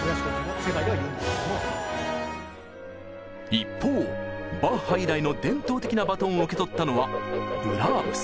一方バッハ以来の伝統的なバトンを受け取ったのはブラームス。